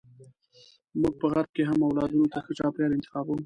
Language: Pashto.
موږ په غرب کې هم اولادونو ته ښه چاپیریال انتخابوو.